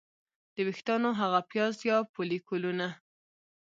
د ویښتانو هغه پیاز یا فولیکولونه